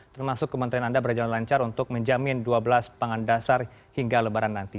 termasuk kementerian anda berjalan lancar untuk menjamin dua belas pangan dasar hingga lebaran nanti